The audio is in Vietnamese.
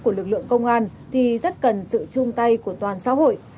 của lực lượng công an thì rất cần sự chung tay của toàn xã hội